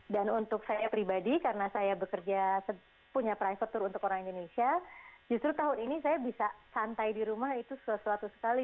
dan untuk saya pribadi karena saya bekerja punya private tour untuk orang indonesia justru tahun ini saya bisa santai di rumah itu sesuatu sekali